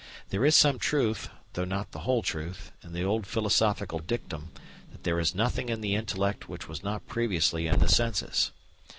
There is some truth, though not the whole truth, in the old philosophical dictum, that there is nothing in the intellect which was not previously in the senses.